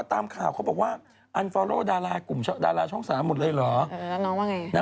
กำลังคุยกับรถแม่ดูว่าชุดพลาสใหม่ไทย